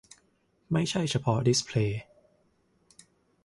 ไม่ใช่เฉพาะดิสเพลย์